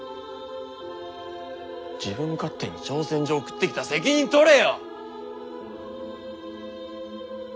自分勝手に挑戦状送ってきた責任取れよ！